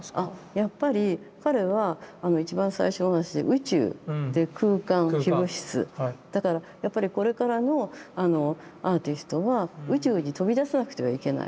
やっぱり彼は一番最初の話で宇宙空間非物質だからやっぱりこれからのアーティストは宇宙に飛び出さなくてはいけない。